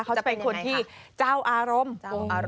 เขาจะเป็นคนที่เจ้าอารมณ์